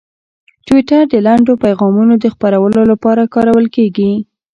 ټویټر د لنډو پیغامونو د خپرولو لپاره کارول کېږي.